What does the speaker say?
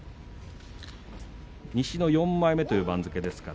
西の４枚目という番付です。